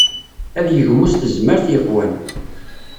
Ad yegmu s tezmert yeqwan.